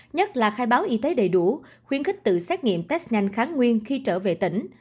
nhất là khai báo y tế đầy đủ khuyến khích tự xét nghiệm test nhanh kháng nguyên khi trở về tỉnh